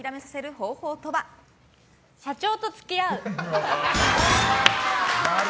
社長と付き合う。